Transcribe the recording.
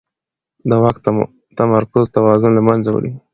د واک تمرکز توازن له منځه وړي